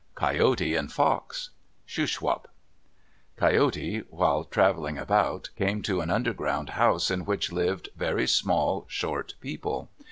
COYOTE AND FOX Shuswap Coyote, while traveling about, came to an underground house in which lived very small, short people.